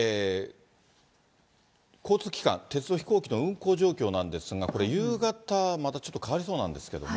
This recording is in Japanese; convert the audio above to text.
交通機関、鉄道、飛行機の運行状況なんですが、これ、夕方、またちょっと変わりそうなんですけれども。